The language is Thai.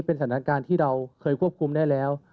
เป็นสถานการณ์ที่เราเคยควบคุมได้แล้ว